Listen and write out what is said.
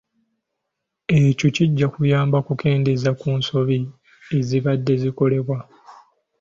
Ekyo kijja kuyamba okukendeeza ku nsobi ezibadde zikolebwa.